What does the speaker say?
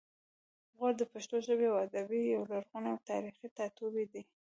غور د پښتو ژبې او ادب یو لرغونی او تاریخي ټاټوبی دی